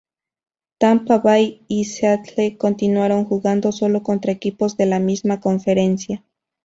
Tampa Bay y Seattle continuaron jugando solo contra equipos de la misma conferencia.